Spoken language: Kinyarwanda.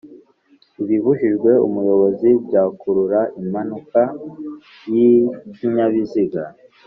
Ibibujijwe umuyobozi byakurura impanuka y’Ikinyabiziga